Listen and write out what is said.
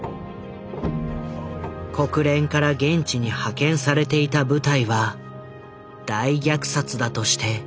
国連から現地に派遣されていた部隊は大虐殺だとして応援を要請する。